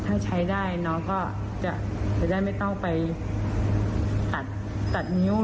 ถ้าใช้ได้น้องก็จะได้ไม่ต้องไปตัดนิ้ว